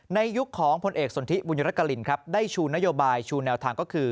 ยุคของพลเอกสนทิบุญรกลินครับได้ชูนโยบายชูแนวทางก็คือ